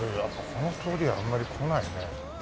この通りはあんまり来ないね。